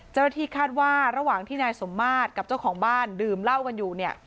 เจ้าหน้าที่คาดว่าระหว่างที่นายสมมาตรกับเจ้าของบ้านดื่มเหล้ากันอยู่เนี่ย